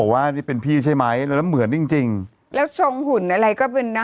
ว่านี่เป็นพี่ใช่ไหมแล้วเหมือนจริงจริงแล้วทรงหุ่นอะไรก็เป็นนะ